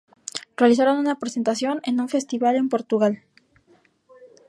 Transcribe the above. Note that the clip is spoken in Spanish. Realizaron una presentación en un festival en Portugal.